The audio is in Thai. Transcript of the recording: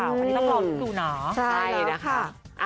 อันนี้พ่อกรดูหน่อใช่แล้วค่ะใช่แล้วค่ะ